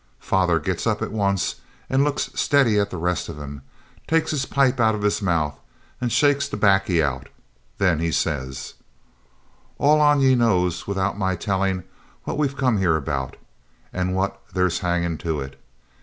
Father gets up at once, and looks steady at the rest of 'em, takes his pipe out of his mouth, and shakes the baccy out. Then he says 'All on ye knows without my telling what we've come here about, and what there's hangin' to it.